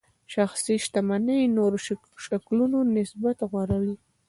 شخصي شتمنۍ نورو شکلونو نسبت غوره وي.